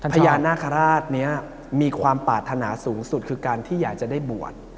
พญานาคาราชนี้มีความปรารถนาสูงสุดคือการที่อยากจะได้บวช